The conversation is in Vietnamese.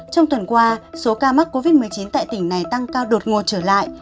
trong tuần qua số ca mắc covid một mươi chín tại tỉnh này tăng cao đột ngột trở lại